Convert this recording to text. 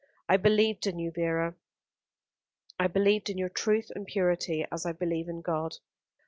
I believed in you, Vera, I believed in your truth and purity as I believe in God.